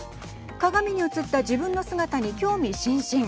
鏡に映った自分の姿に興味津々。